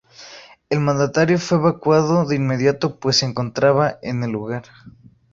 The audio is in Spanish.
El mandatario fue evacuado de inmediato pues se encontraba en el lugar.